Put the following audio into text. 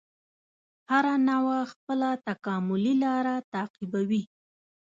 هره نوعه خپله تکاملي لاره تعقیبوي.